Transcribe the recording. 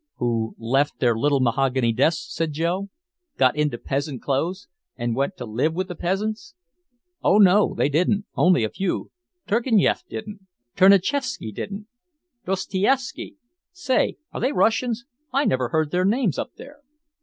"Who left their little mahogany desks," said Joe, "got into peasant clothes and went to live with the peasants!" "Oh no they didn't. Only a few. Turgenief didn't. Tchernichefsky didn't. Dostoiefsky " "Say. Are they Russians? I never heard their names up there."